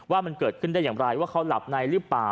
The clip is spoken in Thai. ว่ามันเกิดขึ้นได้อย่างไรว่าเขาหลับในหรือเปล่า